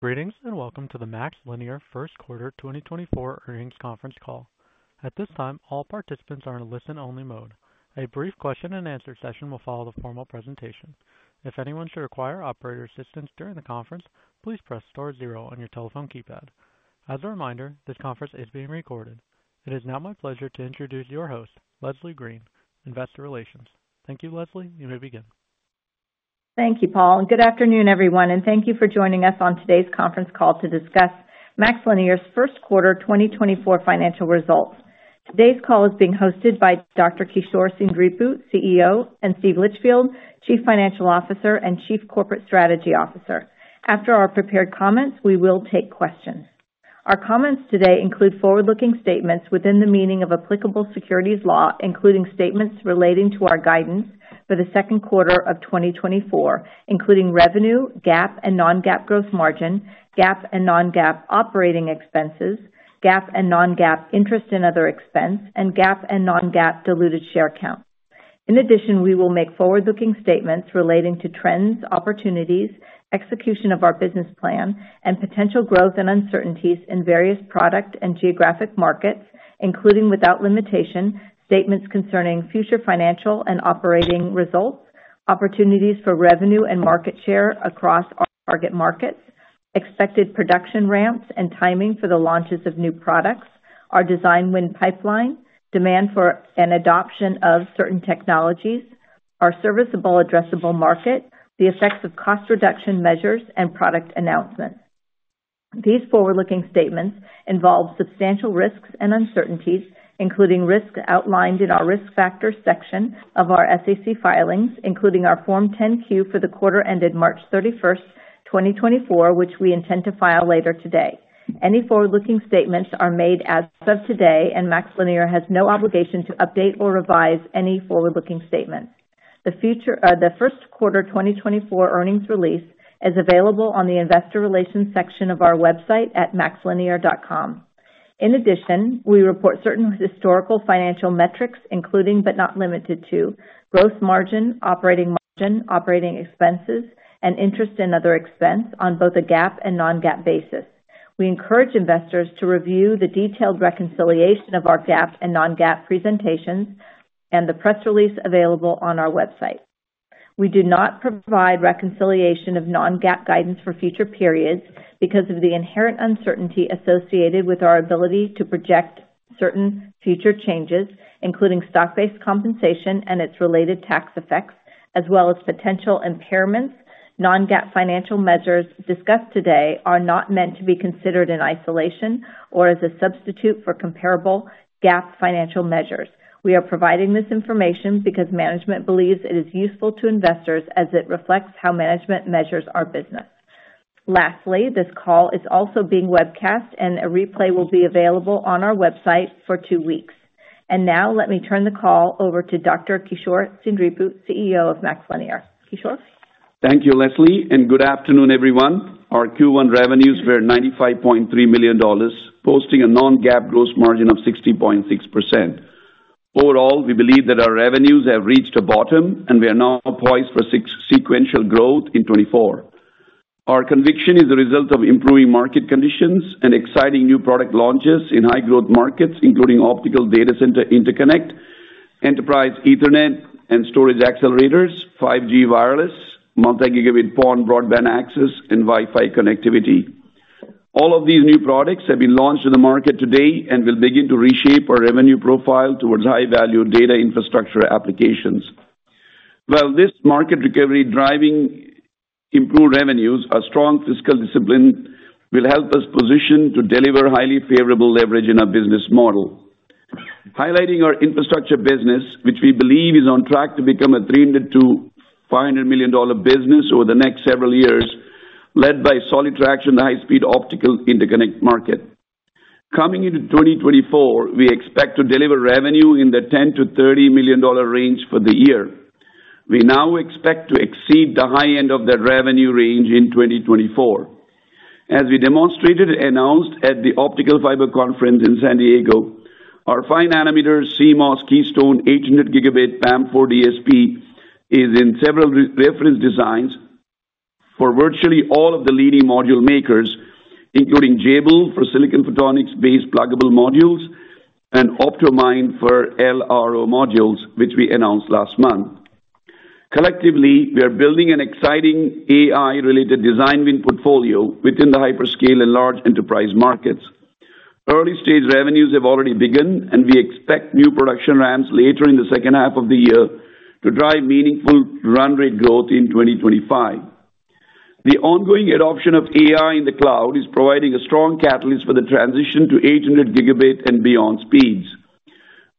Greetings and welcome to the MaxLinear First Quarter 2024 Earnings Conference Call. At this time, all participants are in a listen-only mode. A brief question-and-answer session will follow the formal presentation. If anyone should require operator assistance during the conference, please press star zero on your telephone keypad. As a reminder, this conference is being recorded. It is now my pleasure to introduce your host, Leslie Green, Investor Relations. Thank you, Leslie. You may begin. Thank you, Paul. Good afternoon, everyone, and thank you for joining us on today's conference call to discuss MaxLinear's first quarter 2024 financial results. Today's call is being hosted by Dr. Kishore Seendripu, CEO, and Steve Litchfield, Chief Financial Officer and Chief Corporate Strategy Officer. After our prepared comments, we will take questions. Our comments today include forward-looking statements within the meaning of applicable securities law, including statements relating to our guidance for the second quarter of 2024, including revenue, GAAP and non-GAAP gross margin, GAAP and non-GAAP operating expenses, GAAP and non-GAAP interest and other expense, and GAAP and non-GAAP diluted share count. In addition, we will make forward-looking statements relating to trends, opportunities, execution of our business plan, and potential growth and uncertainties in various product and geographic markets, including without limitation, statements concerning future financial and operating results, opportunities for revenue and market share across our target markets, expected production ramps and timing for the launches of new products, our design win pipeline, demand for and adoption of certain technologies, our serviceable addressable market, the effects of cost reduction measures, and product announcements. These forward-looking statements involve substantial risks and uncertainties, including risks outlined in our risk factors section of our SEC filings, including our Form 10-Q for the quarter ended March 31st, 2024, which we intend to file later today. Any forward-looking statements are made as of today, and MaxLinear has no obligation to update or revise any forward-looking statements. The first quarter 2024 earnings release is available on the Investor Relations section of our website at maxlinear.com. In addition, we report certain historical financial metrics, including but not limited to, gross margin, operating margin, operating expenses, and interest and other expense on both a GAAP and non-GAAP basis. We encourage investors to review the detailed reconciliation of our GAAP and non-GAAP presentations and the press release available on our website. We do not provide reconciliation of non-GAAP guidance for future periods because of the inherent uncertainty associated with our ability to project certain future changes, including stock-based compensation and its related tax effects, as well as potential impairments. Non-GAAP financial measures discussed today are not meant to be considered in isolation or as a substitute for comparable GAAP financial measures. We are providing this information because management believes it is useful to investors as it reflects how management measures our business. Lastly, this call is also being webcast, and a replay will be available on our website for two weeks. And now, let me turn the call over to Dr. Kishore Seendripu, CEO of MaxLinear. Kishore? Thank you, Leslie, and good afternoon, everyone. Our Q1 revenues were $95.3 million, posting a non-GAAP gross margin of 60.6%. Overall, we believe that our revenues have reached a bottom, and we are now poised for sequential growth in 2024. Our conviction is the result of improving market conditions and exciting new product launches in high-growth markets, including optical data center interconnect, enterprise Ethernet and storage accelerators, 5G wireless, multi-gigabit PON broadband access, and Wi-Fi connectivity. All of these new products have been launched to the market today and will begin to reshape our revenue profile towards high-value data infrastructure applications. While this market recovery driving improved revenues, a strong fiscal discipline will help us position to deliver highly favorable leverage in our business model. Highlighting our infrastructure business, which we believe is on track to become a $300 million-$500 million business over the next several years, led by solid traction in the high-speed optical interconnect market. Coming into 2024, we expect to deliver revenue in the $10 million-$30 million range for the year. We now expect to exceed the high end of that revenue range in 2024. As we demonstrated and announced at the Optical Fiber Conference in San Diego, our 5nm CMOS Keystone 800Gb PAM4 DSP is in several reference designs for virtually all of the leading module makers, including Jabil for silicon photonics-based pluggable modules and Optomind for LRO modules, which we announced last month. Collectively, we are building an exciting AI-related design win portfolio within the hyperscale and large enterprise markets. Early-stage revenues have already begun, and we expect new production ramps later in the second half of the year to drive meaningful run-rate growth in 2025. The ongoing adoption of AI in the cloud is providing a strong catalyst for the transition to 800Gb and beyond speeds.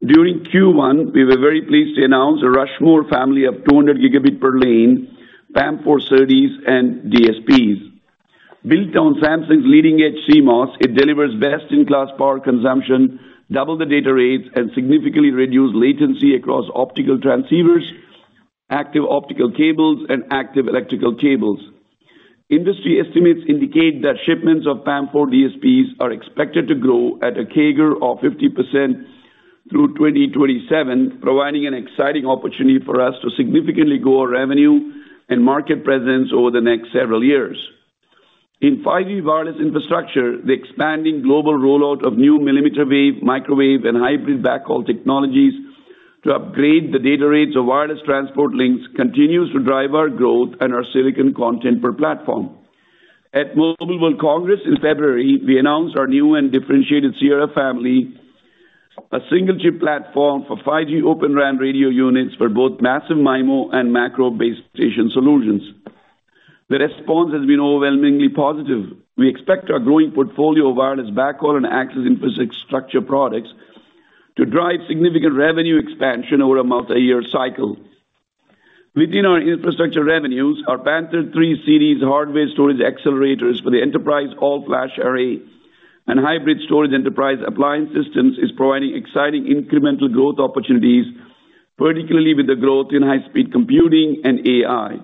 During Q1, we were very pleased to announce a Rushmore family of 200Gb per lane, PAM4 SerDes, and DSPs. Built on Samsung's leading-edge CMOS, it delivers best-in-class power consumption, doubles the data rates, and significantly reduces latency across optical transceivers, active optical cables, and active electrical cables. Industry estimates indicate that shipments of PAM4 DSPs are expected to grow at a CAGR of 50% through 2027, providing an exciting opportunity for us to significantly grow our revenue and market presence over the next several years. In 5G wireless infrastructure, the expanding global rollout of new millimeter wave, microwave, and hybrid backhaul technologies to upgrade the data rates of wireless transport links continues to drive our growth and our silicon content per platform. At Mobile World Congress in February, we announced our new and differentiated Sierra family, a single-chip platform for 5G Open RAN radio units for both massive MIMO and macro base station solutions. The response has been overwhelmingly positive. We expect our growing portfolio of wireless backhaul and access infrastructure products to drive significant revenue expansion over a multi-year cycle. Within our infrastructure revenues, our Panther III series hardware storage accelerators for the enterprise All-Flash array and hybrid storage enterprise appliance systems are providing exciting incremental growth opportunities, particularly with the growth in high-speed computing and AI.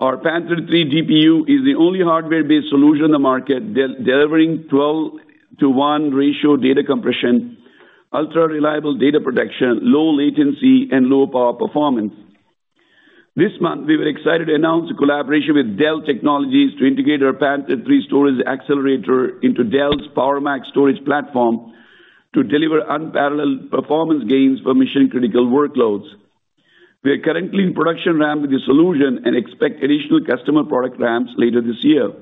Our Panther III DPU is the only hardware-based solution in the market delivering 12:1 ratio data compression, ultra-reliable data protection, low latency, and low power performance. This month, we were excited to announce a collaboration with Dell Technologies to integrate our Panther III storage accelerator into Dell's PowerMax storage platform to deliver unparalleled performance gains for mission-critical workloads. We are currently in production ramp with this solution and expect additional customer product ramps later this year.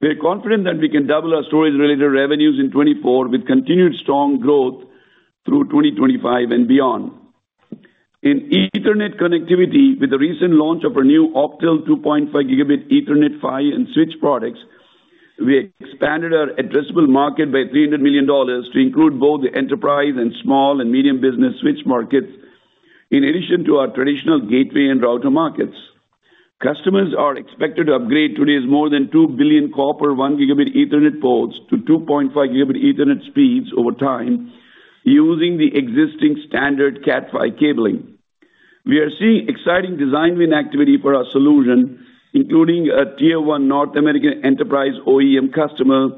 We are confident that we can double our storage-related revenues in 2024 with continued strong growth through 2025 and beyond. In Ethernet connectivity, with the recent launch of our new Octal 2.5Gb Ethernet PHY and switch products, we expanded our addressable market by $300 million to include both the enterprise and small and medium business switch markets, in addition to our traditional gateway and router markets. Customers are expected to upgrade today's more than 2 billion copper 1Gb Ethernet ports to 2.5Gb Ethernet speeds over time, using the existing standard Cat5 cabling. We are seeing exciting design win activity for our solution, including a Tier One North American enterprise OEM customer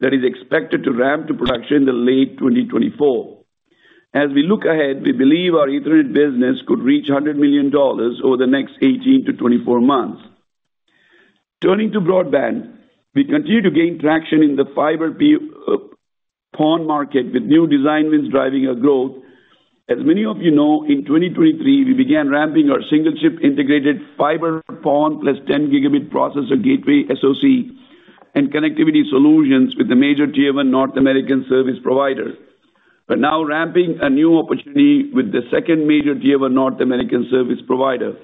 that is expected to ramp to production in the late 2024. As we look ahead, we believe our Ethernet business could reach $100 million over the next 18 to 24 months. Turning to broadband, we continue to gain traction in the fiber PON market with new design wins driving our growth. As many of you know, in 2023, we began ramping our single-chip integrated fiber PON +10Gb processor gateway SoC and connectivity solutions with a major Tier One North American service provider, but now ramping a new opportunity with the second major Tier One North American service provider.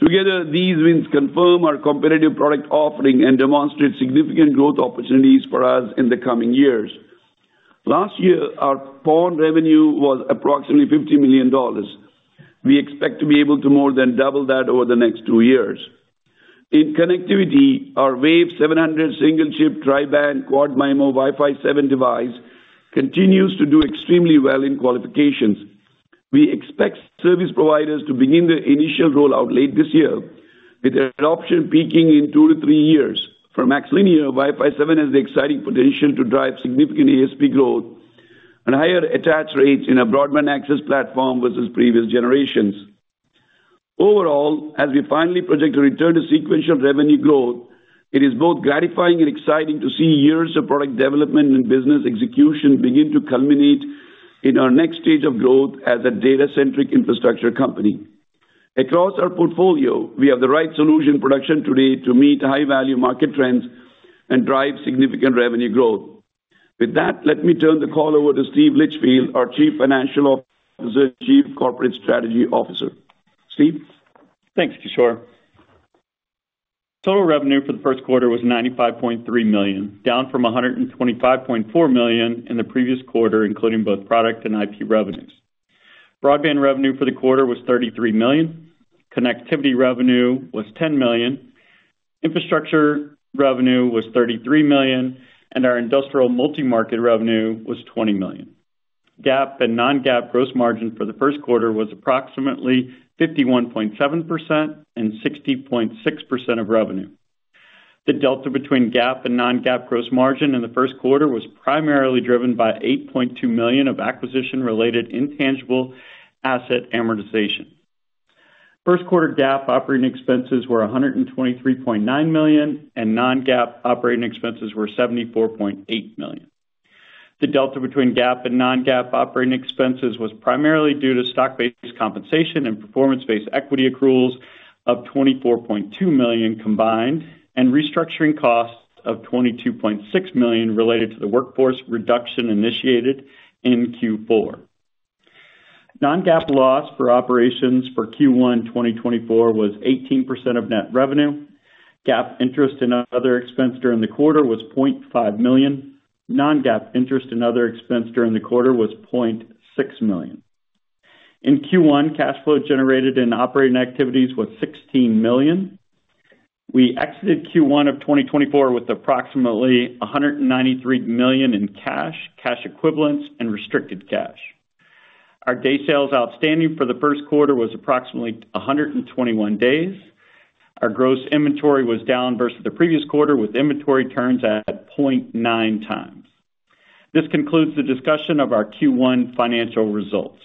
Together, these wins confirm our competitive product offering and demonstrate significant growth opportunities for us in the coming years. Last year, our PON revenue was approximately $50 million. We expect to be able to more than double that over the next two years. In connectivity, our Wave 700 single-chip tri-band quad-MIMO Wi-Fi 7 device continues to do extremely well in qualifications. We expect service providers to begin their initial rollout late this year, with their adoption peaking in two to three years. For MaxLinear, Wi-Fi 7 has the exciting potential to drive significant ASP growth and higher attach rates in a broadband access platform versus previous generations. Overall, as we finally project a return to sequential revenue growth, it is both gratifying and exciting to see years of product development and business execution begin to culminate in our next stage of growth as a data-centric infrastructure company. Across our portfolio, we have the right solution production today to meet high-value market trends and drive significant revenue growth. With that, let me turn the call over to Steve Litchfield, our Chief Financial Officer, Chief Corporate Strategy Officer. Steve? Thanks, Kishore. Total revenue for the first quarter was $95.3 million, down from $125.4 million in the previous quarter, including both product and IP revenues. Broadband revenue for the quarter was $33 million, connectivity revenue was $10 million, infrastructure revenue was $33 million, and our industrial multi-market revenue was $20 million. GAAP and non-GAAP gross margin for the first quarter was approximately 51.7% and 60.6% of revenue. The delta between GAAP and non-GAAP gross margin in the first quarter was primarily driven by $8.2 million of acquisition-related intangible asset amortization. First-quarter GAAP operating expenses were $123.9 million, and non-GAAP operating expenses were $74.8 million. The delta between GAAP and non-GAAP operating expenses was primarily due to stock-based compensation and performance-based equity accruals of $24.2 million combined and restructuring costs of $22.6 million related to the workforce reduction initiated in Q4. Non-GAAP loss for operations for Q1 2024 was 18% of net revenue. GAAP interest and other expense during the quarter was $0.5 million. Non-GAAP interest and other expense during the quarter was $0.6 million. In Q1, cash flow generated in operating activities was $16 million. We exited Q1 of 2024 with approximately $193 million in cash, cash equivalents, and restricted cash. Our day sales outstanding for the first quarter was approximately 121 days. Our gross inventory was down versus the previous quarter, with inventory turns at 0.9x. This concludes the discussion of our Q1 financial results.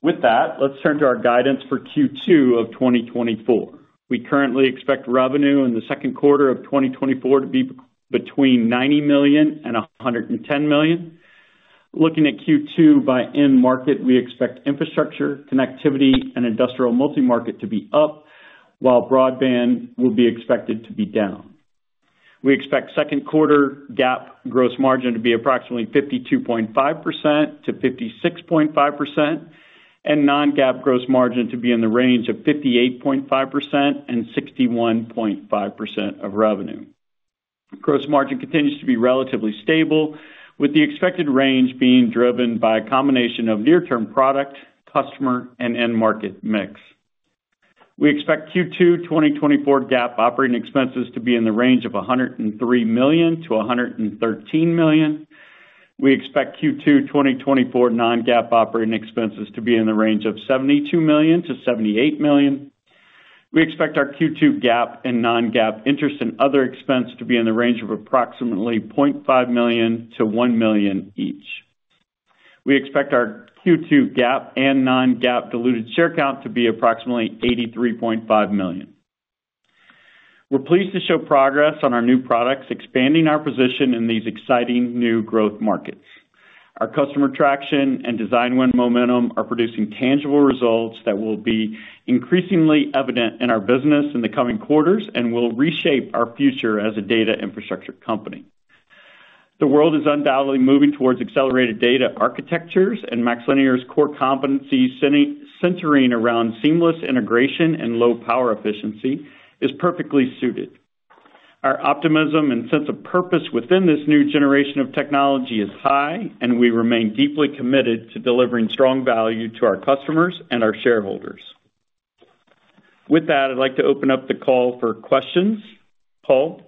With that, let's turn to our guidance for Q2 of 2024. We currently expect revenue in the second quarter of 2024 to be between $90 million and $110 million. Looking at Q2 by end market, we expect infrastructure, connectivity, and industrial multi-market to be up, while broadband will be expected to be down. We expect second-quarter GAAP gross margin to be approximately 52.5%-56.5%, and non-GAAP gross margin to be in the range of 58.5% and 61.5% of revenue. Gross margin continues to be relatively stable, with the expected range being driven by a combination of near-term product, customer, and end-market mix. We expect Q2 2024 GAAP operating expenses to be in the range of $103 million-$113 million. We expect Q2 2024 non-GAAP operating expenses to be in the range of $72 million-$78 million. We expect our Q2 GAAP and non-GAAP interest and other expense to be in the range of approximately $0.5 million-$1 million each. We expect our Q2 GAAP and non-GAAP diluted share count to be approximately 83.5 million. We're pleased to show progress on our new products, expanding our position in these exciting new growth markets. Our customer traction and design win momentum are producing tangible results that will be increasingly evident in our business in the coming quarters and will reshape our future as a data infrastructure company. The world is undoubtedly moving towards accelerated data architectures, and MaxLinear's core competency centering around seamless integration and low power efficiency is perfectly suited. Our optimism and sense of purpose within this new generation of technology is high, and we remain deeply committed to delivering strong value to our customers and our shareholders. With that, I'd like to open up the call for questions. Paul?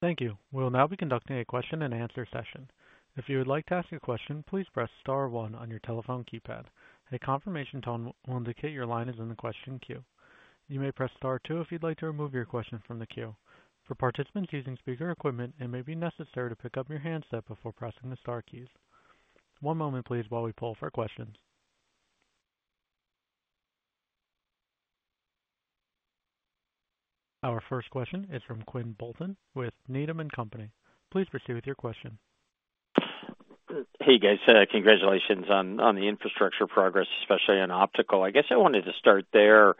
Thank you. We will now be conducting a question-and-answer session. If you would like to ask a question, please press star one on your telephone keypad. A confirmation tone will indicate your line is in the question queue. You may press star two if you'd like to remove your question from the queue. For participants using speaker equipment, it may be necessary to pick up your handset before pressing the star keys. One moment, please, while we pull up our questions. Our first question is from Quinn Bolton with Needham & Company. Please proceed with your question. Hey, guys. Congratulations on the infrastructure progress, especially on optical. I guess I wanted to start there.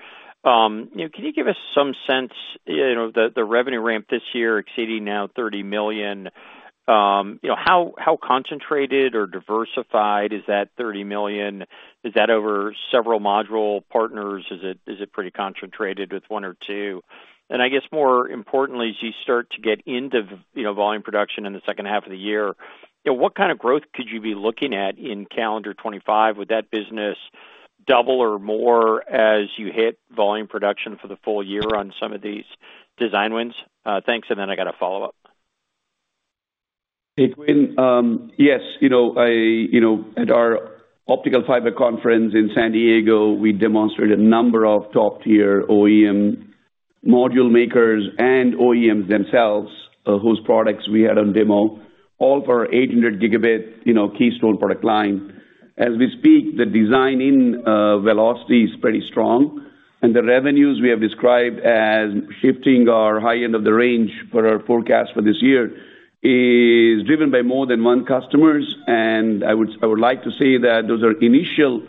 Can you give us some sense the revenue ramp this year exceeding now $30 million, how concentrated or diversified is that $30 million? Is that over several module partners? Is it pretty concentrated with one or two? And I guess, more importantly, as you start to get into volume production in the second half of the year, what kind of growth could you be looking at in calendar 2025? Would that business double or more as you hit volume production for the full year on some of these design wins? Thanks, and then I got a follow-up. Hey, Quinn. Yes. At our Optical Fiber Conference in San Diego, we demonstrated a number of top-tier OEM module makers and OEMs themselves whose products we had on demo, all for our 800Gb Keystone product line. As we speak, the design-in velocity is pretty strong, and the revenues we have described as shifting our high end of the range for our forecast for this year is driven by more than one customer. I would like to say that those are initial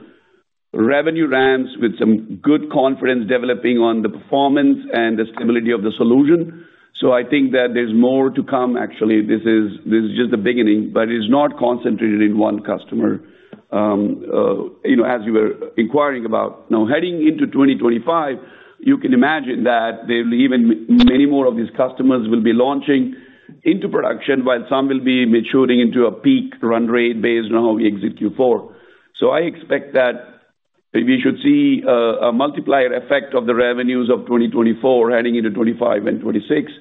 revenue ramps with some good confidence developing on the performance and the stability of the solution. So I think that there's more to come, actually. This is just the beginning, but it is not concentrated in one customer. As you were inquiring about, heading into 2025, you can imagine that even many more of these customers will be launching into production, while some will be maturing into a peak run rate based on how we exit Q4. So I expect that we should see a multiplier effect of the revenues of 2024 heading into 2025 and 2026.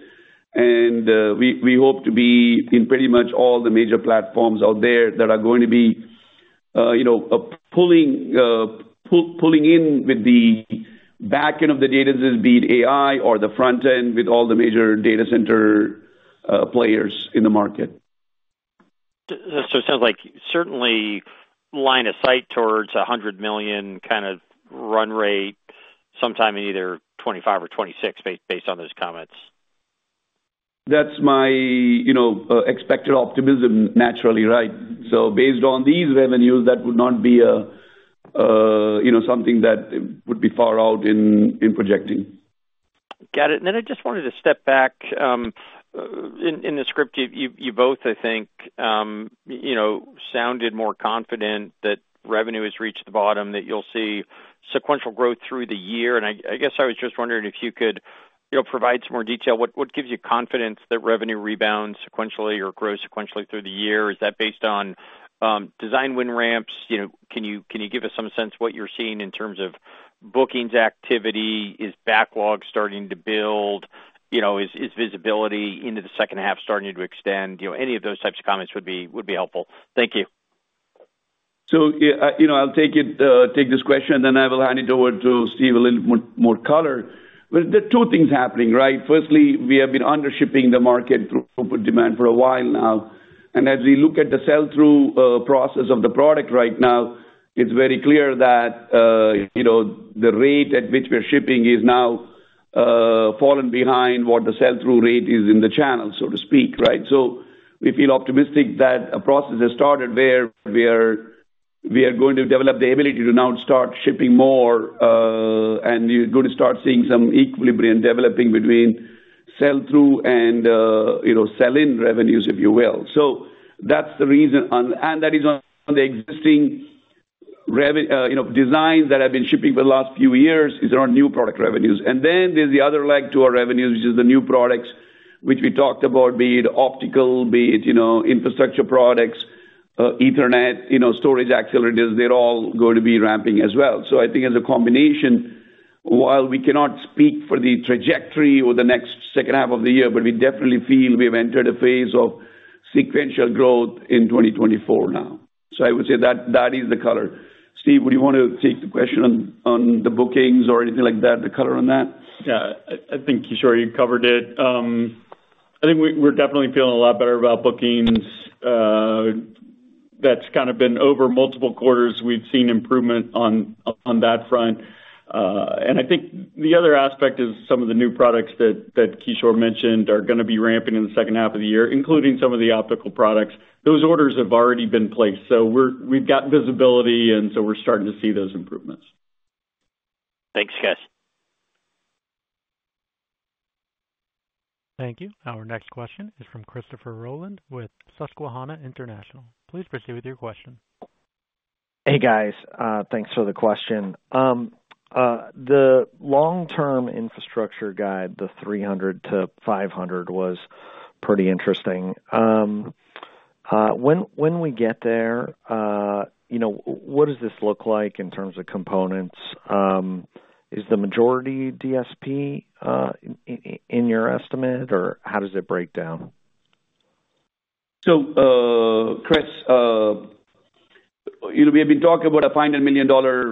And we hope to be in pretty much all the major platforms out there that are going to be pulling in with the back end of the data, be it AI, or the front end with all the major data center players in the market. It sounds like certainly line of sight towards $100 million kind of run rate sometime in either 2025 or 2026 based on those comments. That's my expected optimism, naturally, right? So based on these revenues, that would not be something that would be far out in projecting. Got it. And then I just wanted to step back. In the script, you both, I think, sounded more confident that revenue has reached the bottom, that you'll see sequential growth through the year. And I guess I was just wondering if you could provide some more detail. What gives you confidence that revenue rebounds sequentially or grows sequentially through the year? Is that based on design win ramps? Can you give us some sense what you're seeing in terms of bookings activity? Is backlog starting to build? Is visibility into the second half starting to extend? Any of those types of comments would be helpful. Thank you. So I'll take this question, and then I will hand it over to Steve a little bit more color. But there are two things happening, right? Firstly, we have been undershipping the market throughput demand for a while now. And as we look at the sell-through process of the product right now, it's very clear that the rate at which we're shipping has now fallen behind what the sell-through rate is in the channel, so to speak, right? So we feel optimistic that a process has started where we are going to develop the ability to now start shipping more, and you're going to start seeing some equilibrium developing between sell-through and sell-in revenues, if you will. So that's the reason. And that is on the existing designs that have been shipping for the last few years. These are our new product revenues. And then there's the other leg to our revenues, which is the new products which we talked about, be it optical, be it infrastructure products, Ethernet, storage accelerators. They're all going to be ramping as well. So I think as a combination, while we cannot speak for the trajectory or the next second half of the year, but we definitely feel we have entered a phase of sequential growth in 2024 now. So I would say that is the color. Steve, would you want to take the question on the bookings or anything like that, the color on that? Yeah. I think, Kishore, you covered it. I think we're definitely feeling a lot better about bookings. That's kind of been over multiple quarters. We've seen improvement on that front. And I think the other aspect is some of the new products that Kishore mentioned are going to be ramping in the second half of the year, including some of the optical products. Those orders have already been placed. So we've got visibility, and so we're starting to see those improvements. Thanks, guys. Thank you. Our next question is from Christopher Rolland with Susquehanna International. Please proceed with your question. Hey, guys. Thanks for the question. The long-term infrastructure guide, the 300-500, was pretty interesting. When we get there, what does this look like in terms of components? Is the majority DSP in your estimate, or how does it break down? So, Chris, we have been talking about a $500 million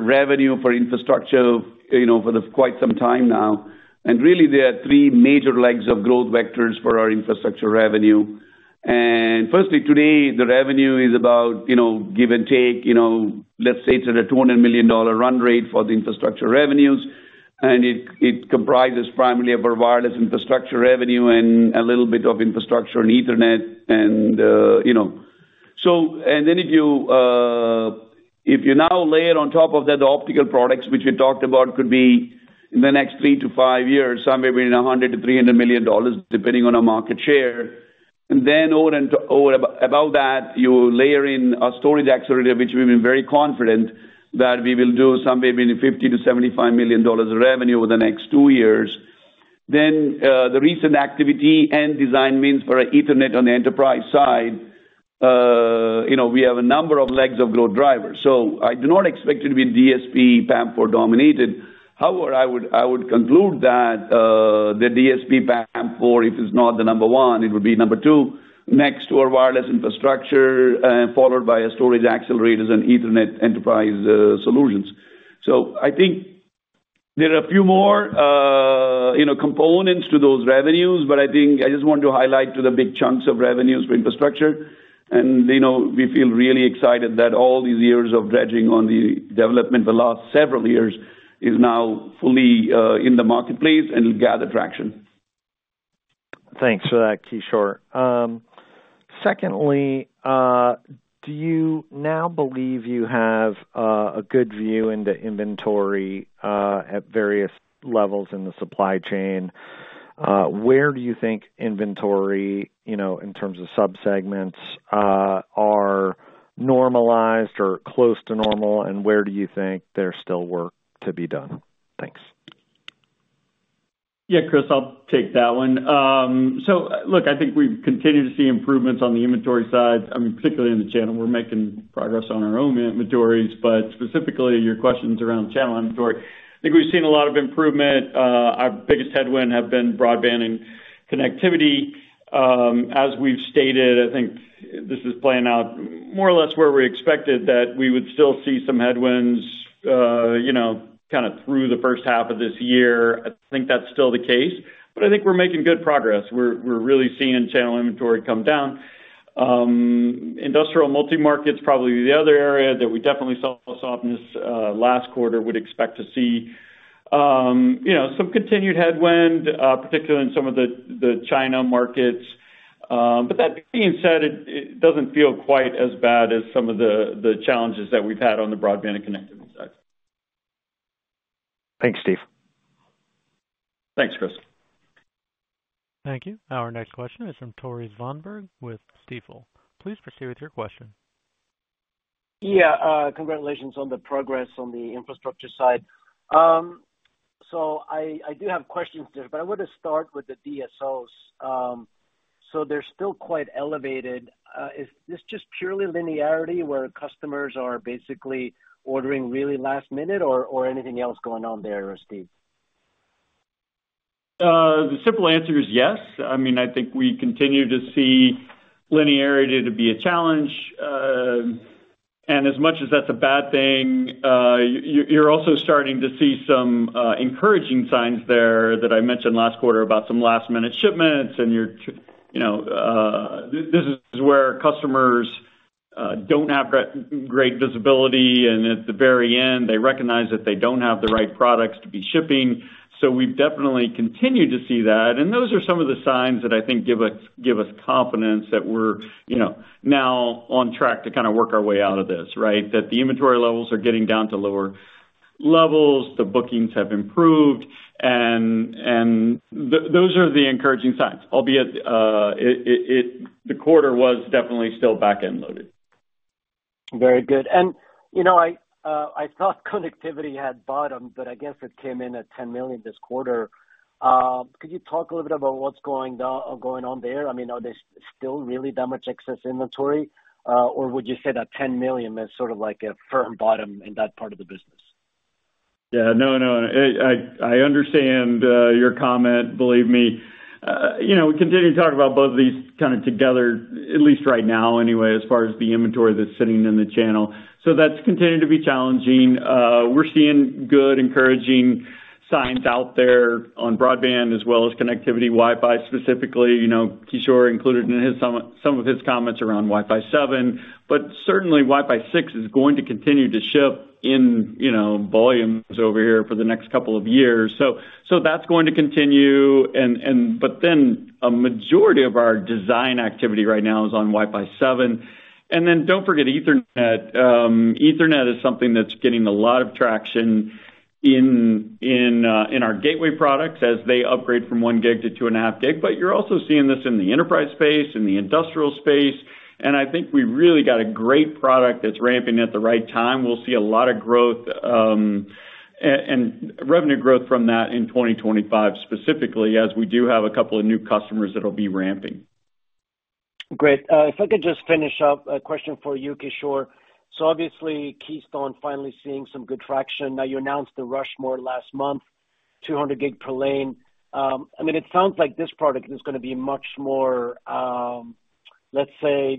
revenue for infrastructure for quite some time now. Really, there are three major legs of growth vectors for our infrastructure revenue. And firstly, today, the revenue is about give or take. Let's say it's at a $200 million run rate for the infrastructure revenues. And it comprises primarily of our wireless infrastructure revenue and a little bit of infrastructure and Ethernet. And then if you now layer on top of that the optical products, which we talked about could be in the next three-five years, somewhere between $100 million-$300 million, depending on our market share. And then over and above that, you layer in a storage accelerator, which we've been very confident that we will do somewhere between $50 million-$75 million of revenue over the next two years. Then the recent activity and design wins for Ethernet on the enterprise side, we have a number of legs of growth drivers. So I do not expect it to be DSP PAM4 dominated. However, I would conclude that the DSP PAM4, if it's not the number one, it would be number two, next to our wireless infrastructure, followed by a storage accelerator and Ethernet enterprise solutions. So I think there are a few more components to those revenues, but I just want to highlight the big chunks of revenues for infrastructure. And we feel really excited that all these years of dredging on the development for the last several years is now fully in the marketplace and will gather traction. Thanks for that, Kishore. Secondly, do you now believe you have a good view into inventory at various levels in the supply chain? Where do you think inventory, in terms of subsegments, are normalized or close to normal, and where do you think there's still work to be done? Thanks. Yeah, Chris, I'll take that one. So look, I think we've continued to see improvements on the inventory side, I mean, particularly in the channel. We're making progress on our own inventories. But specifically, your questions around channel inventory, I think we've seen a lot of improvement. Our biggest headwinds have been broadband and connectivity. As we've stated, I think this is playing out more or less where we expected that we would still see some headwinds kind of through the first half of this year. I think that's still the case. But I think we're making good progress. We're really seeing channel inventory come down. Industrial multi-markets probably be the other area that we definitely saw softness last quarter, would expect to see some continued headwind, particularly in some of the China markets. But that being said, it doesn't feel quite as bad as some of the challenges that we've had on the broadband and connectivity side. Thanks, Steve. Thanks, Chris. Thank you. Our next question is from Tore Svanberg with Stifel. Please proceed with your question. Yeah. Congratulations on the progress on the infrastructure side. So I do have questions there, but I want to start with the DSOs. So they're still quite elevated. Is this just purely linearity where customers are basically ordering really last minute, or anything else going on there, Steve? The simple answer is yes. I mean, I think we continue to see linearity to be a challenge. As much as that's a bad thing, you're also starting to see some encouraging signs there that I mentioned last quarter about some last-minute shipments. This is where customers don't have great visibility, and at the very end, they recognize that they don't have the right products to be shipping. So we've definitely continued to see that. Those are some of the signs that I think give us confidence that we're now on track to kind of work our way out of this, right, that the inventory levels are getting down to lower levels, the bookings have improved. Those are the encouraging signs, albeit the quarter was definitely still back-end loaded. Very good. I thought connectivity had bottomed, but I guess it came in at $10 million this quarter. Could you talk a little bit about what's going on there? I mean, are they still really that much excess inventory, or would you say that $10 million is sort of like a firm bottom in that part of the business? Yeah. No, no. I understand your comment, believe me. We continue to talk about both of these kind of together, at least right now anyway, as far as the inventory that's sitting in the channel. So that's continued to be challenging. We're seeing good, encouraging signs out there on broadband as well as connectivity, Wi-Fi specifically. Kishore included in some of his comments around Wi-Fi 7. But certainly, Wi-Fi 6 is going to continue to ship in volumes over here for the next couple of years. So that's going to continue. But then a majority of our design activity right now is on Wi-Fi 7. And then don't forget Ethernet. Ethernet is something that's getting a lot of traction in our gateway products as they upgrade from 1Gb to 2.5Gb. But you're also seeing this in the enterprise space, in the industrial space. I think we really got a great product that's ramping at the right time. We'll see a lot of growth and revenue growth from that in 2025 specifically, as we do have a couple of new customers that'll be ramping. Great. If I could just finish up, a question for you, Kishore. So obviously, Keystone finally seeing some good traction. Now, you announced the Rushmore last month, 200Gb per lane. I mean, it sounds like this product is going to be much more, let's say,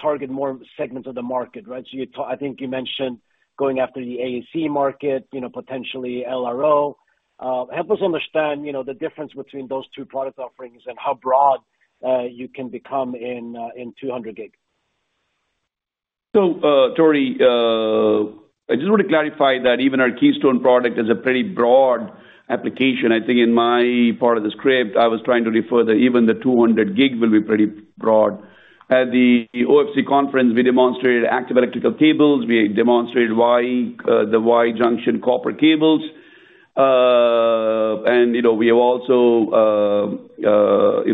target more segments of the market, right? So I think you mentioned going after the AEC market, potentially LRO. Help us understand the difference between those two product offerings and how broad you can become in 200Gb. So Tore, I just want to clarify that even our Keystone product is a pretty broad application. I think in my part of the script, I was trying to refer that even the 200Gb will be pretty broad. At the OFC conference, we demonstrated active electrical cables. We demonstrated Y-junction copper cables. And we have also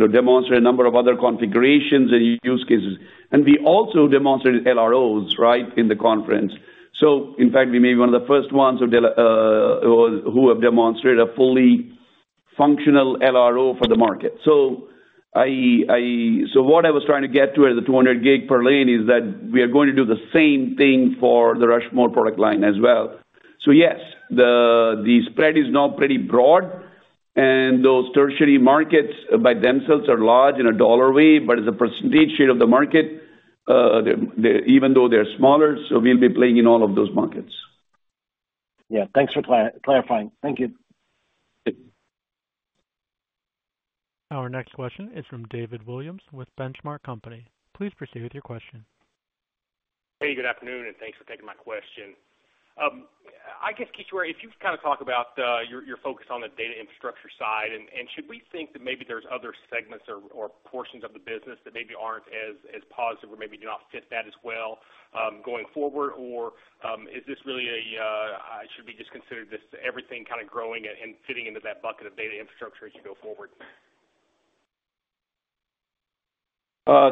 demonstrated a number of other configurations and use cases. And we also demonstrated LROs, right, in the conference. So in fact, we may be one of the first ones who have demonstrated a fully functional LRO for the market. So what I was trying to get to at the 200Gb per lane is that we are going to do the same thing for the Rushmore product line as well. So yes, the spread is now pretty broad. Those tertiary markets by themselves are large in a dollar way, but as a percentage share of the market, even though they're smaller, so we'll be playing in all of those markets. Yeah. Thanks for clarifying. Thank you. Our next question is from David Williams with Benchmark Company. Please proceed with your question. Hey, good afternoon, and thanks for taking my question. I guess, Kishore, if you kind of talk about your focus on the data infrastructure side, and should we think that maybe there's other segments or portions of the business that maybe aren't as positive or maybe do not fit that as well going forward, or is this really a should we just consider this everything kind of growing and fitting into that bucket of data infrastructure as you go forward?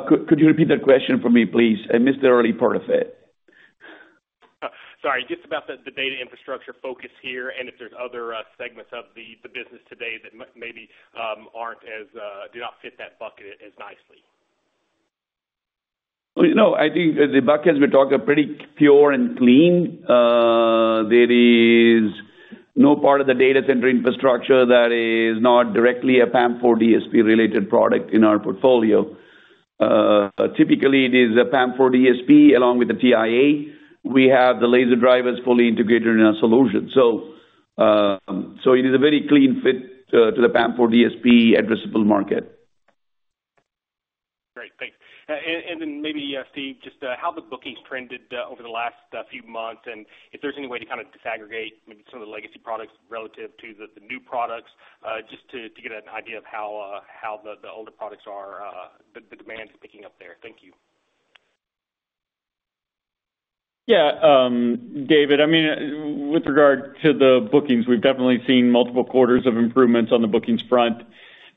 Could you repeat that question for me, please? I missed the early part of it. Sorry. Just about the data infrastructure focus here and if there's other segments of the business today that maybe do not fit that bucket as nicely? Well, no. I think the buckets we talk about are pretty pure and clean. There is no part of the data center infrastructure that is not directly a PAM4 DSP-related product in our portfolio. Typically, it is a PAM4 DSP along with a TIA. We have the laser drivers fully integrated in our solution. So it is a very clean fit to the PAM4 DSP addressable market. Great. Thanks. And then maybe, Steve, just how the bookings trended over the last few months and if there's any way to kind of disaggregate maybe some of the legacy products relative to the new products, just to get an idea of how the older products are the demand is picking up there. Thank you. Yeah, David. I mean, with regard to the bookings, we've definitely seen multiple quarters of improvements on the bookings front.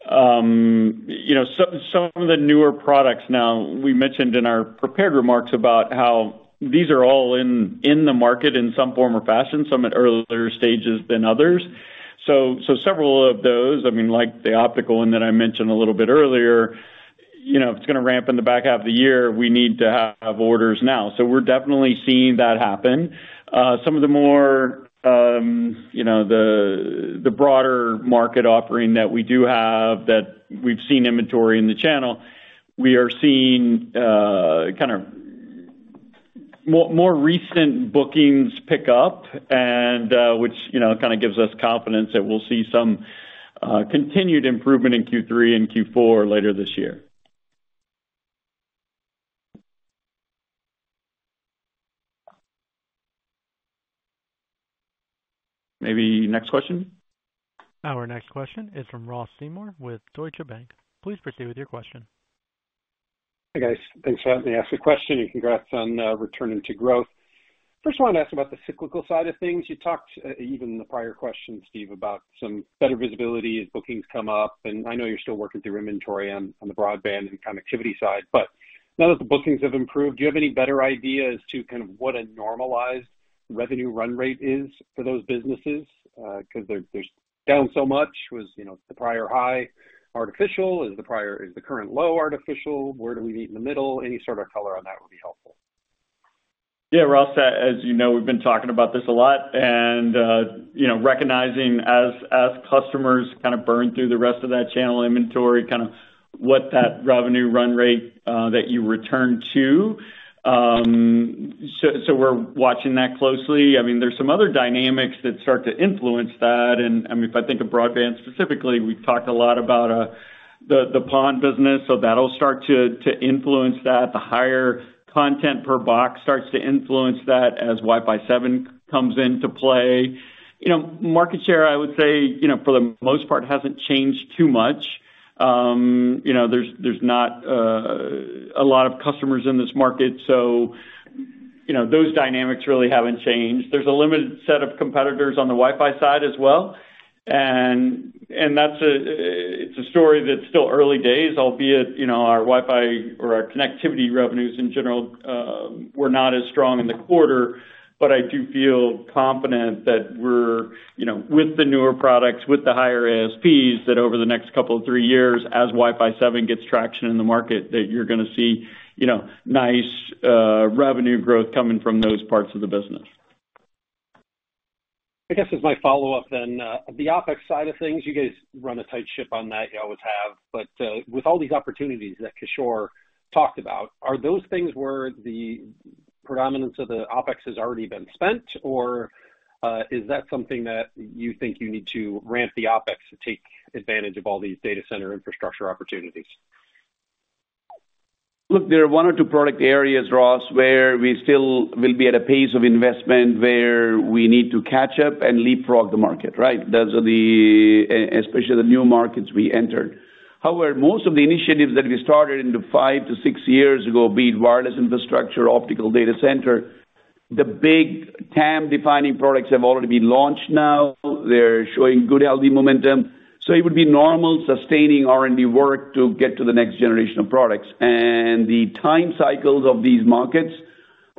Some of the newer products now, we mentioned in our prepared remarks about how these are all in the market in some form or fashion, some at earlier stages than others. So several of those, I mean, like the optical one that I mentioned a little bit earlier, if it's going to ramp in the back half of the year, we need to have orders now. So we're definitely seeing that happen. Some of the broader market offering that we do have that we've seen inventory in the channel, we are seeing kind of more recent bookings pick up, which kind of gives us confidence that we'll see some continued improvement in Q3 and Q4 later this year. Maybe next question? Our next question is from Ross Seymore with Deutsche Bank. Please proceed with your question. Hey, guys. Thanks for having me ask the question, and congrats on returning to growth. First, I want to ask about the cyclical side of things. You talked even in the prior question, Steve, about some better visibility as bookings come up. And I know you're still working through inventory on the broadband and connectivity side. But now that the bookings have improved, do you have any better ideas to kind of what a normalized revenue run rate is for those businesses? Because they're down so much. Was the prior high artificial? Is the current low artificial? Where do we meet in the middle? Any sort of color on that would be helpful. Yeah, Ross, as you know, we've been talking about this a lot and recognizing as customers kind of burn through the rest of that channel inventory, kind of what that revenue run rate that you return to. So we're watching that closely. I mean, there's some other dynamics that start to influence that. I mean, if I think of broadband specifically, we've talked a lot about the PON business, so that'll start to influence that. The higher content per box starts to influence that as comes into play. Market share, I would say, for the most part, hasn't changed too much. There's not a lot of customers in this market, so those dynamics really haven't changed. There's a limited set of competitors on the Wi-Fi side as well. It's a story that's still early days, albeit our Wi-Fi or our connectivity revenues in general were not as strong in the quarter. I do feel confident that we're with the newer products, with the higher ASPs, that over the next couple of three years, Wi-Fi 7 gets traction in the market, that you're going to see nice revenue growth coming from those parts of the business. I guess as my follow-up then, the OpEx side of things, you guys run a tight ship on that. You always have. But with all these opportunities that Kishore talked about, are those things where the predominance of the OpEx has already been spent, or is that something that you think you need to ramp the OpEx to take advantage of all these data center infrastructure opportunities? Look, there are one or two product areas, Ross, where we still will be at a pace of investment where we need to catch up and leapfrog the market, right, especially the new markets we entered. However, most of the initiatives that we started into five to six years ago, be it wireless infrastructure, optical data center, the big TAM-defining products have already been launched now. They're showing good, healthy momentum. So it would be normal sustaining R&D work to get to the next generation of products. And the time cycles of these markets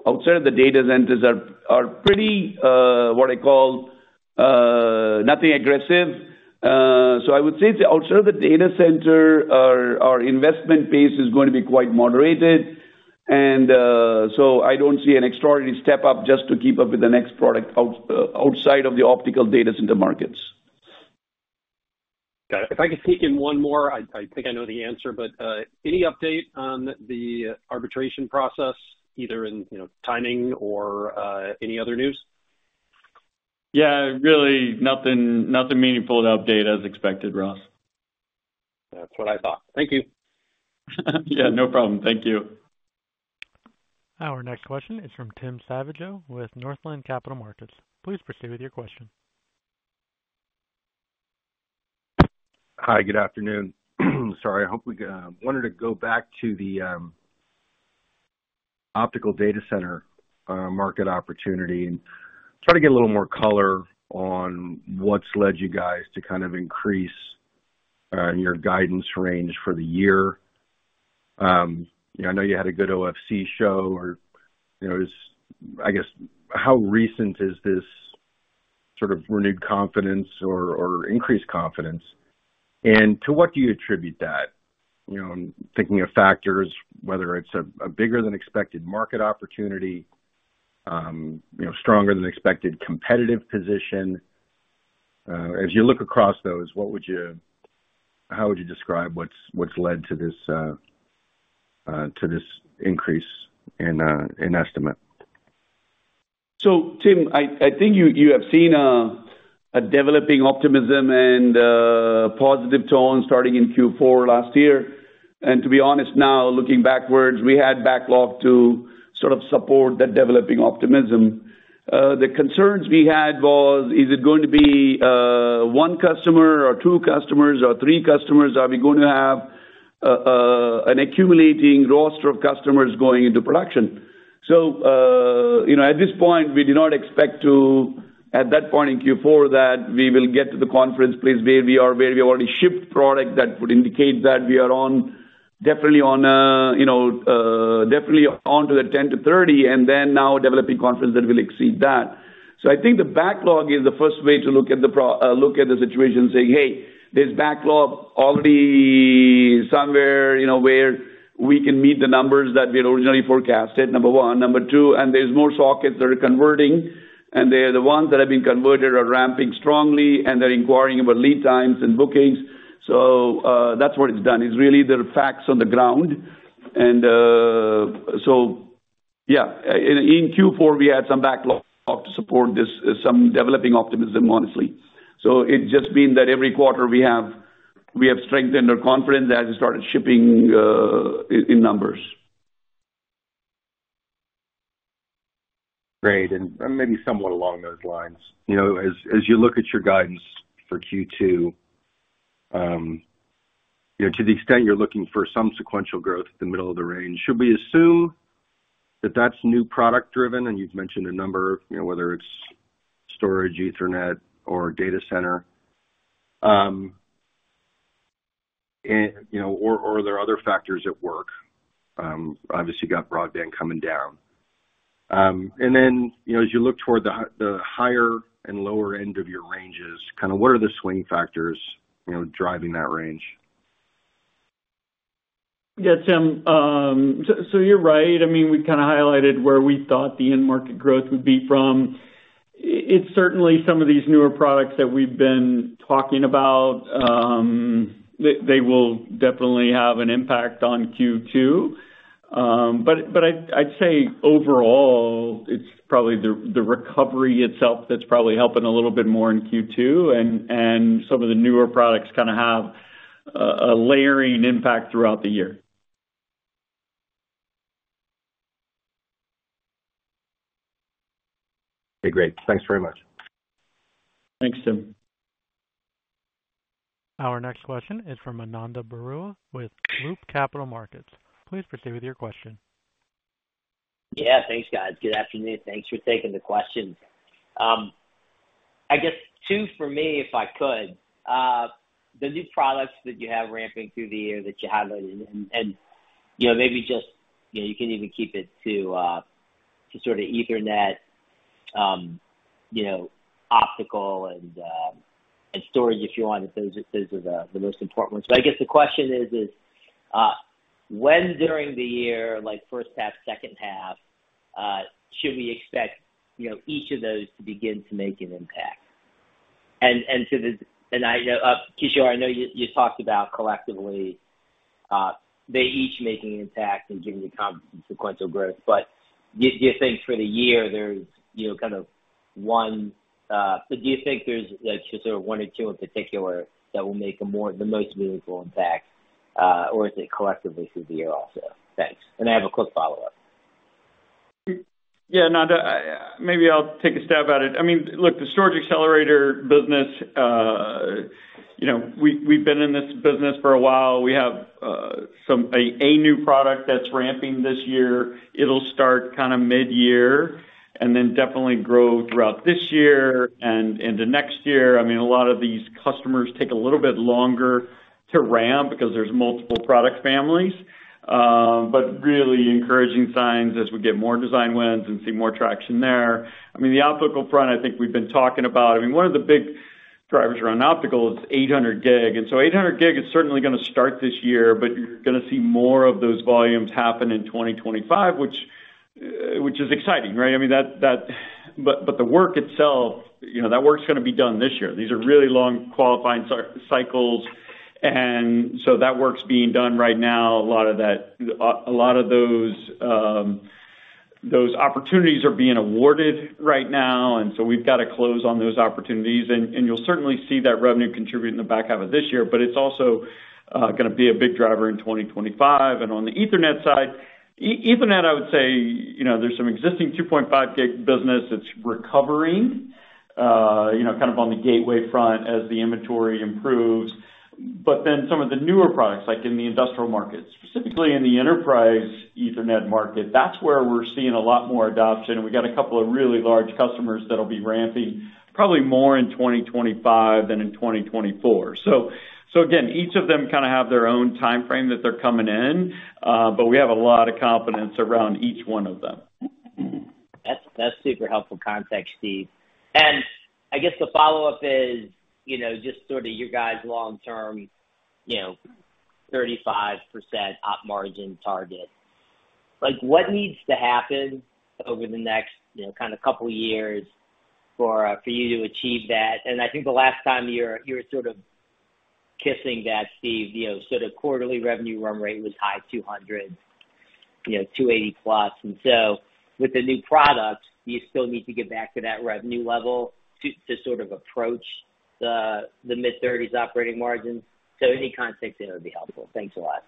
outside of the data centers are pretty, what I call, nothing aggressive. So I would say outside of the data center, our investment pace is going to be quite moderated. And so I don't see an extraordinary step up just to keep up with the next product outside of the optical data center markets. Got it. If I could take in one more, I think I know the answer, but any update on the arbitration process, either in timing or any other news? Yeah, really nothing meaningful to update as expected, Ross. That's what I thought. Thank you. Yeah, no problem. Thank you. Our next question is from Tim Savageaux with Northland Capital Markets. Please proceed with your question. Hi, good afternoon. Sorry. I wanted to go back to the optical data center market opportunity and try to get a little more color on what's led you guys to kind of increase your guidance range for the year. I know you had a good OFC show, or I guess how recent is this sort of renewed confidence or increased confidence? And to what do you attribute that? I'm thinking of factors, whether it's a bigger-than-expected market opportunity, stronger-than-expected competitive position. As you look across those, how would you describe what's led to this increase in estimate? So Tim, I think you have seen a developing optimism and positive tone starting in Q4 last year. To be honest, now looking backwards, we had backlog to sort of support that developing optimism. The concerns we had was, is it going to be one customer or two customers or three customers? Are we going to have an accumulating roster of customers going into production? At this point, we did not expect to, at that point in Q4, that we will get to the conference place where we are, where we already shipped product that would indicate that we are definitely onto the 10-30 and then now a developing conference that will exceed that. So I think the backlog is the first way to look at the situation saying, "Hey, there's backlog already somewhere where we can meet the numbers that we had originally forecasted, number one. Number two, and there's more sockets that are converting. And the ones that have been converted are ramping strongly, and they're inquiring about lead times and bookings." So that's what it's done. It's really the facts on the ground. And so yeah, in Q4, we had some backlog to support some developing optimism, honestly. So it's just been that every quarter, we have strengthened our confidence as we started shipping in numbers. Great. And maybe somewhat along those lines, as you look at your guidance for Q2, to the extent you're looking for some sequential growth at the middle of the range, should we assume that that's new product-driven? And you've mentioned a number of whether it's storage, Ethernet, or data center, or are there other factors at work? Obviously, you got broadband coming down. And then as you look toward the higher and lower end of your ranges, kind of what are the swing factors driving that range? Yeah, Tim, so you're right. I mean, we kind of highlighted where we thought the end market growth would be from. It's certainly some of these newer products that we've been talking about. They will definitely have an impact on Q2. But I'd say overall, it's probably the recovery itself that's probably helping a little bit more in Q2. And some of the newer products kind of have a layering impact throughout the year. Okay. Great. Thanks very much. Thanks, Tim. Our next question is from Ananda Baruah with Loop Capital Markets. Please proceed with your question. Yeah, thanks, guys. Good afternoon. Thanks for taking the question. I guess two, for me, if I could, the new products that you have ramping through the year that you highlighted and maybe just you can even keep it to sort of Ethernet, optical, and storage if you want, if those are the most important ones. But I guess the question is, when during the year, first half, second half, should we expect each of those to begin to make an impact? And I know, Kishore, I know you talked about collectively, they each making an impact and giving you sequential growth. But do you think for the year, there's kind of one so do you think there's sort of one or two in particular that will make the most meaningful impact, or is it collectively through the year also? Thanks. And I have a quick follow-up. Yeah, Ananda, maybe I'll take a stab at it. I mean, look, the storage accelerator business, we've been in this business for a while. We have a new product that's ramping this year. It'll start kind of mid-year and then definitely grow throughout this year and into next year. I mean, a lot of these customers take a little bit longer to ramp because there's multiple product families. But really encouraging signs as we get more design wins and see more traction there. I mean, the optical front, I think we've been talking about. I mean, one of the big drivers around optical is 800Gb. And so 800Gb is certainly going to start this year, but you're going to see more of those volumes happen in 2025, which is exciting, right? I mean, but the work itself, that work's going to be done this year. These are really long qualifying cycles. So that work's being done right now. A lot of those opportunities are being awarded right now. So we've got to close on those opportunities. You'll certainly see that revenue contribute in the back half of this year. But it's also going to be a big driver in 2025. On the Ethernet side, Ethernet, I would say, there's some existing 2.5Gb business that's recovering kind of on the gateway front as the inventory improves. But then some of the newer products, like in the industrial markets, specifically in the enterprise Ethernet market, that's where we're seeing a lot more adoption. We got a couple of really large customers that'll be ramping probably more in 2025 than in 2024. So again, each of them kind of have their own time frame that they're coming in, but we have a lot of confidence around each one of them. That's super helpful context, Steve. I guess the follow-up is just sort of your guys' long-term 35% op margin target. What needs to happen over the next kind of couple of years for you to achieve that? I think the last time you were sort of kissing that, Steve, sort of quarterly revenue run rate was high $200 million, $280 million+. So with the new products, do you still need to get back to that revenue level to sort of approach the mid-30s operating margin? Any context, it would be helpful. Thanks a lot.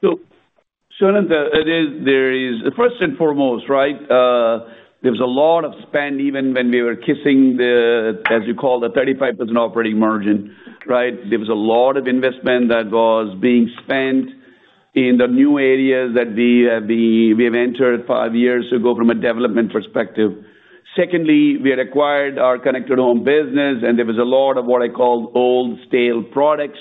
So Ananda, there is first and foremost, right, there was a lot of spend even when we were kissing, as you call, the 35% operating margin, right? There was a lot of investment that was being spent in the new areas that we have entered five years ago from a development perspective. Secondly, we had acquired our connected home business, and there was a lot of what I called old stale products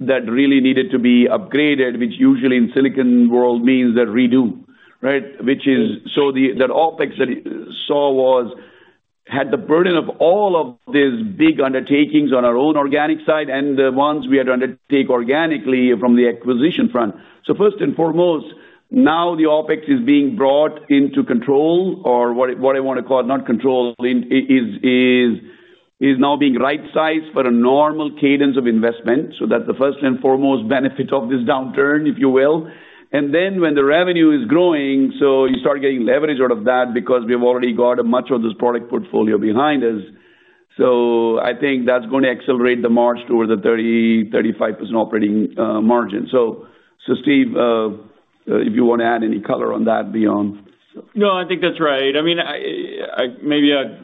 that really needed to be upgraded, which usually in the silicon world means a redo, right? So the OpEx that you saw had the burden of all of these big undertakings on our own organic side and the ones we had to undertake organically from the acquisition front. So first and foremost, now the OpEx is being brought into control, or what I want to call not control, is now being right-sized for a normal cadence of investment. So that's the first and foremost benefit of this downturn, if you will. And then when the revenue is growing, so you start getting leverage out of that because we have already got much of this product portfolio behind us. So I think that's going to accelerate the march toward the 30%-35% operating margin. So Steve, if you want to add any color on that beyond. No, I think that's right. I mean, maybe I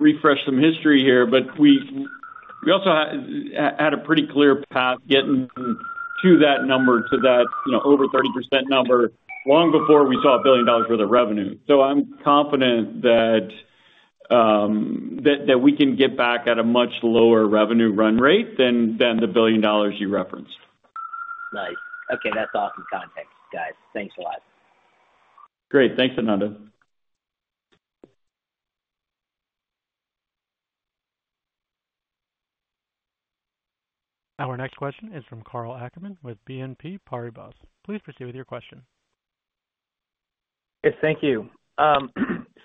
refresh some history here, but we also had a pretty clear path getting to that number, to that over 30% number, long before we saw $1 billion worth of revenue. So I'm confident that we can get back at a much lower revenue run rate than the $1 billion you referenced. Nice. Okay. That's awesome context, guys. Thanks a lot. Great. Thanks, Ananda. Our next question is from Karl Ackerman with BNP Paribas. Please proceed with your question. Yes, thank you.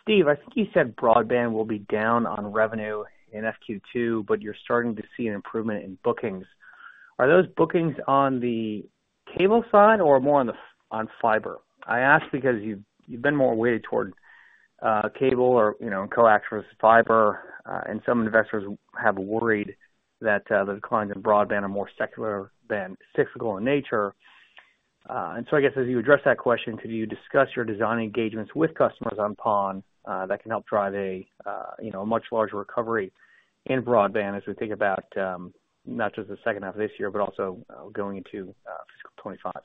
Steve, I think you said broadband will be down on revenue in FQ2, but you're starting to see an improvement in bookings. Are those bookings on the cable side or more on fiber? I ask because you've been more weighted toward cable and coax and fiber, and some investors have worried that the declines in broadband are more cyclical in nature. So I guess as you address that question, could you discuss your design engagements with customers on PON that can help drive a much larger recovery in broadband as we think about not just the second half of this year, but also going into fiscal 2025? Yeah,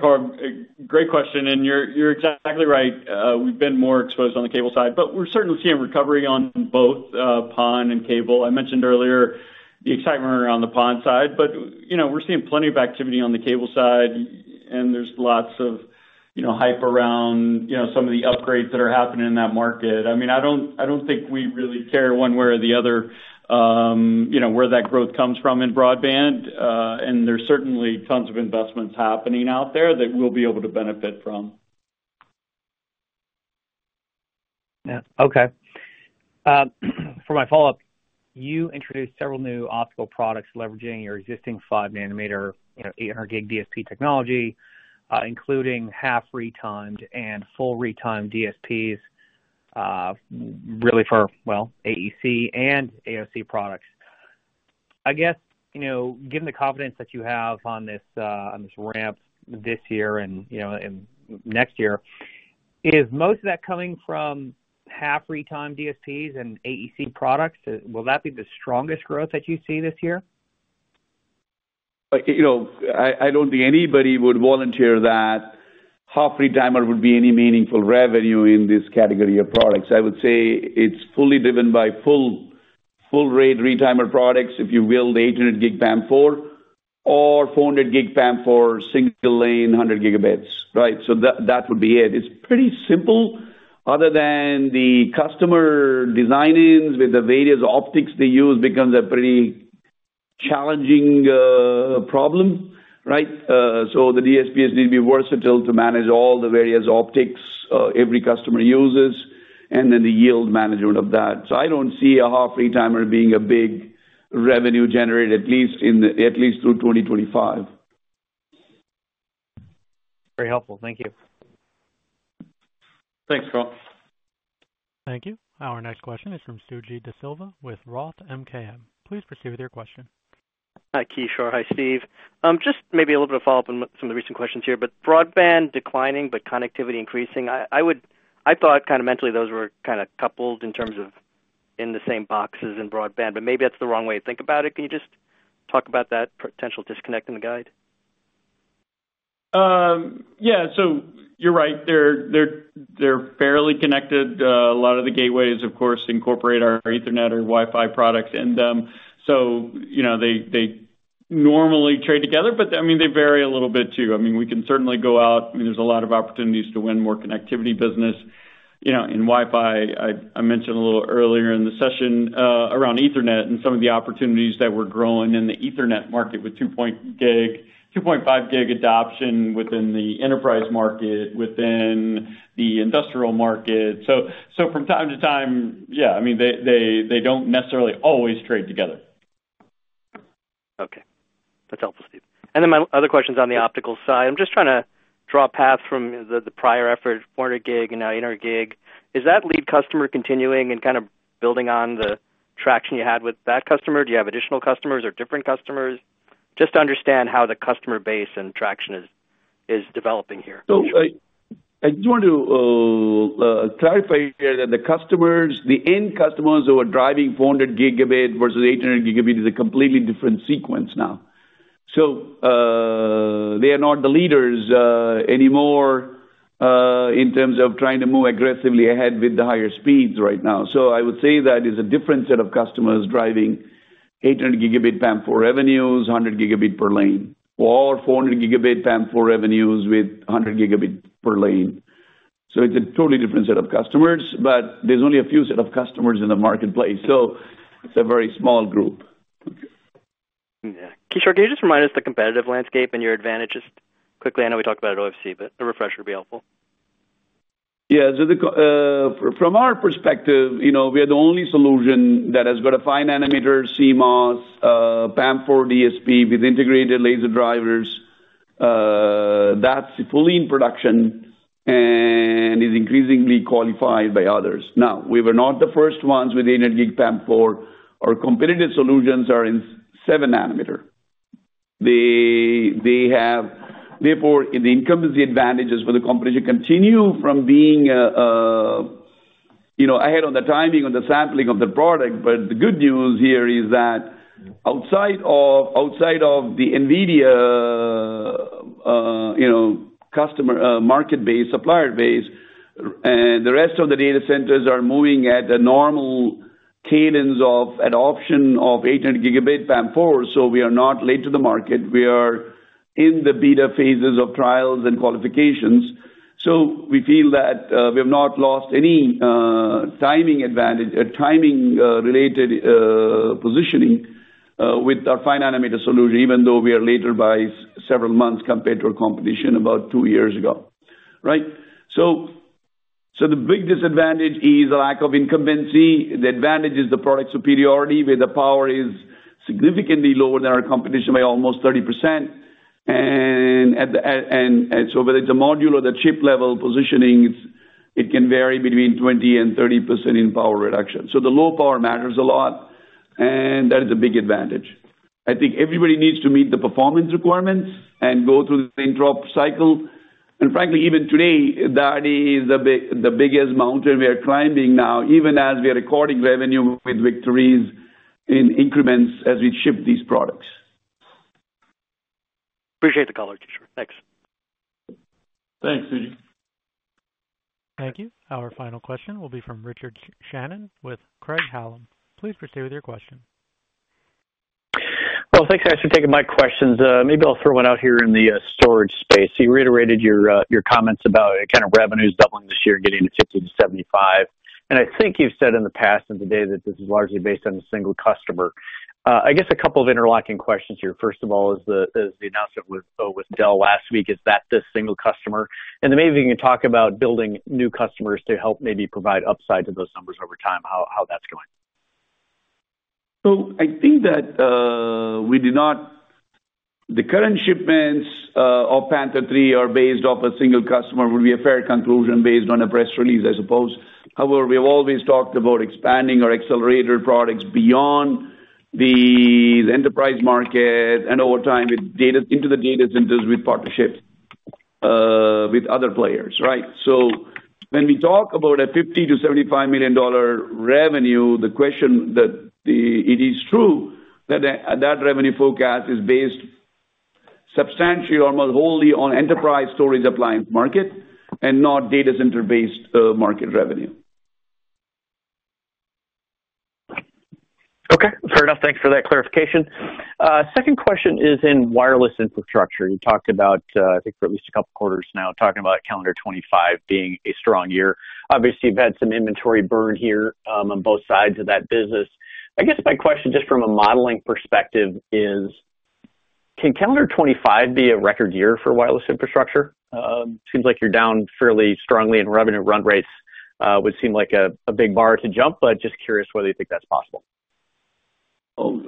Karl, great question. You're exactly right. We've been more exposed on the cable side, but we're certainly seeing recovery on both PON and cable. I mentioned earlier the excitement around the PON side, but we're seeing plenty of activity on the cable side, and there's lots of hype around some of the upgrades that are happening in that market. I mean, I don't think we really care one way or the other where that growth comes from in broadband. There's certainly tons of investments happening out there that we'll be able to benefit from. Yeah. Okay. For my follow-up, you introduced several new optical products leveraging your existing 5nm 800Gb DSP technology, including half retimed and full retimed DSPs, really for, well, AEC and AOC products. I guess given the confidence that you have on this ramp this year and next year, is most of that coming from half retimed DSPs and AEC products? Will that be the strongest growth that you see this year? I don't think anybody would volunteer that half retimer would be any meaningful revenue in this category of products. I would say it's fully driven by full-rate retimer products, if you will, the 800Gb PAM4 or 400Gb PAM4 single lane, 100Gb, right? So that would be it. It's pretty simple. Other than the customer designing with the various optics they use becomes a pretty challenging problem, right? So the DSPs need to be versatile to manage all the various optics every customer uses and then the yield management of that. So I don't see a half retimer being a big revenue generator, at least through 2025. Very helpful. Thank you. Thanks, Karl. Thank you. Our next question is from Suji DeSilva with Roth MKM. Please proceed with your question. Hi, Kishore. Hi, Steve. Just maybe a little bit of follow-up on some of the recent questions here. But broadband declining, but connectivity increasing, I thought kind of mentally those were kind of coupled in terms of in the same boxes in broadband. But maybe that's the wrong way to think about it. Can you just talk about that potential disconnect in the guide? Yeah. So you're right. They're fairly connected. A lot of the gateways, of course, incorporate our Ethernet or Wi-Fi products. And so they normally trade together, but I mean, they vary a little bit too. I mean, we can certainly go out. I mean, there's a lot of opportunities to win more connectivity business. In Wi-Fi, I mentioned a little earlier in the session around Ethernet and some of the opportunities that were growing in the Ethernet market with 2.5Gb adoption within the enterprise market, within the industrial market. So from time to time, yeah, I mean, they don't necessarily always trade together. Okay. That's helpful, Steve. And then my other question's on the optical side. I'm just trying to draw a path from the prior effort, 400Gb and now 800Gb. Is that lead customer continuing and kind of building on the traction you had with that customer? Do you have additional customers or different customers? Just to understand how the customer base and traction is developing here. I just want to clarify here that the end customers who are driving 400Gb versus 800Gb is a completely different sequence now. They are not the leaders anymore in terms of trying to move aggressively ahead with the higher speeds right now. I would say that is a different set of customers driving 800Gb PAM4 revenues, 100Gb per lane, or 400Gb PAM4 revenues with 100Gb per lane. It's a totally different set of customers, but there's only a few set of customers in the marketplace. It's a very small group. Yeah. Kishore, can you just remind us the competitive landscape and your advantages quickly? I know we talked about it OFC, but a refresher would be helpful. Yeah. So from our perspective, we are the only solution that has got a 5nm CMOS PAM4 DSP with integrated laser drivers. That's fully in production and is increasingly qualified by others. Now, we were not the first ones with 800Gb PAM4. Our competitive solutions are in 7nm. Therefore, the incumbent has the advantages for the competition to continue from being ahead on the timing, on the sampling of the product. But the good news here is that outside of the NVIDIA market base, supplier base, and the rest of the data centers are moving at a normal cadence of adoption of 800Gb PAM4. So we are not late to the market. We are in the beta phases of trials and qualifications. So we feel that we have not lost any timing-related positioning with our 5nm solution, even though we are later by several months compared to our competition about two years ago, right? So the big disadvantage is the lack of incumbency. The advantage is the product superiority where the power is significantly lower than our competition by almost 30%. And so whether it's a module or the chip level positioning, it can vary between 20%-30% in power reduction. So the low power matters a lot, and that is a big advantage. I think everybody needs to meet the performance requirements and go through the interop cycle. And frankly, even today, that is the biggest mountain we are climbing now, even as we are recording revenue with victories in increments as we ship these products. Appreciate the color, Kishore. Thanks. Thanks, Suji. Thank you. Our final question will be from Richard Shannon with Craig-Hallum. Please proceed with your question. Well, thanks, guys, for taking my questions. Maybe I'll throw one out here in the storage space. So you reiterated your comments about kind of revenues doubling this year and getting to $50-$75. And I think you've said in the past and today that this is largely based on a single customer. I guess a couple of interlocking questions here. First of all, is the announcement with Dell last week, is that this single customer? And then maybe we can talk about building new customers to help maybe provide upside to those numbers over time, how that's going. So I think that we note the current shipments of Panther III are based off a single customer. It would be a fair conclusion based on a press release, I suppose. However, we have always talked about expanding our accelerator products beyond the enterprise market and over time into the data centers with partnerships with other players, right? So when we talk about a $50 million-$75 million revenue, it is true that that revenue forecast is based substantially, almost wholly on enterprise storage appliance market and not data center-based market revenue. Okay. Fair enough. Thanks for that clarification. Second question is in wireless infrastructure. You talked about, I think, for at least a couple of quarters now, talking about calendar 2025 being a strong year. Obviously, you've had some inventory burn here on both sides of that business. I guess my question just from a modeling perspective is, can calendar 2025 be a record year for wireless infrastructure? Seems like you're down fairly strongly, and revenue run rates would seem like a big bar to jump, but just curious whether you think that's possible. Oh,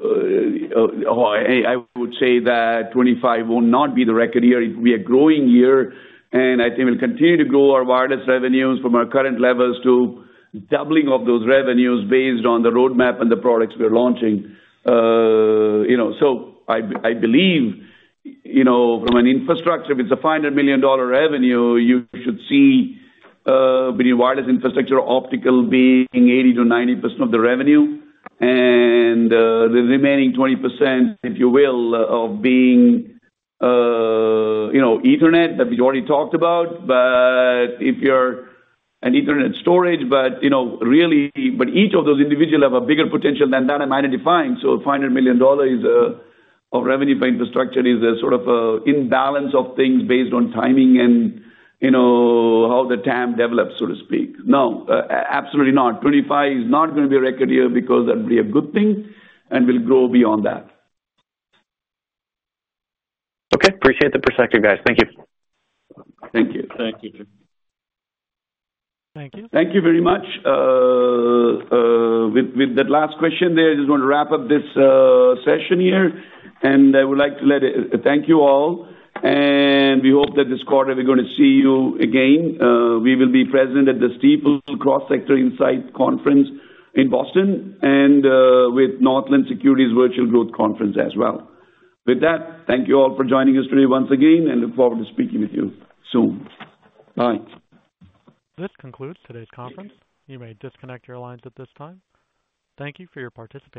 I would say that 2025 will not be the record year. It will be a growing year, and I think we'll continue to grow our wireless revenues from our current levels to doubling of those revenues based on the roadmap and the products we are launching. So I believe from an infrastructure, if it's a $500 million revenue, you should see between wireless infrastructure optical being 80%-90% of the revenue and the remaining 20%, if you will, of being Ethernet that we've already talked about. But if you're in Ethernet storage, but each of those individuals have a bigger potential than that, it's undefined. So $500 million of revenue for infrastructure is sort of an imbalance of things based on timing and how the TAM develops, so to speak. No, absolutely not. 2025 is not going to be a record year because that would be a good thing and will grow beyond that. Okay. Appreciate the perspective, guys. Thank you. Thank you. Thank you, Richard. Thank you. Thank you very much. With that last question there, I just want to wrap up this session here. I would like to thank you all. We hope that this quarter we're going to see you again. We will be present at the Stifel's Cross-Sector Insight Conference in Boston and with Northland Capital Markets' Virtual Growth Conference as well. With that, thank you all for joining us today once again, and look forward to speaking with you soon. Bye. This concludes today's conference. You may disconnect your lines at this time. Thank you for your participation.